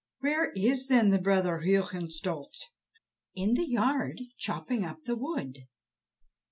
"Where is, then, the brother Hohenstolz?" "In the yard, chopping up the wood."